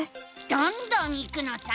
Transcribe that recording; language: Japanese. どんどんいくのさ！